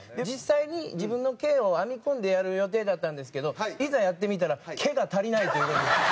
実際に自分の毛を編み込んでやる予定だったんですけどいざやってみたら毛が足りないという事で。